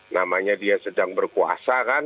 namanya dia sedang berkuasa kan